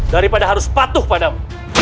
daripada harus patuh padamu